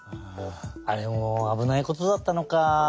あれもあぶないことだったのか。